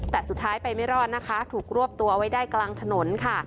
แต่สุดท้ายไปไม่รอดนะคะถูกรวบตัวเอาไว้ได้กลางถนนค่ะ